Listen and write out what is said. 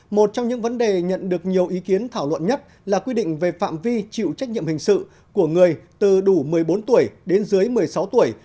một trong những vấn đề nhận được nhiều ý kiến thảo luận nhất là quy định về phạm vi chịu trách nhiệm hình sự của người từ đủ một mươi bốn tuổi đến dưới một mươi sáu tuổi